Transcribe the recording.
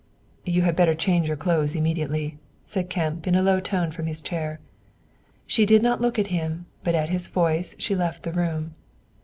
"You had better change your clothes immediately," said Kemp, in a low tone from his chair. She did not look at him, but at his voice she left the room.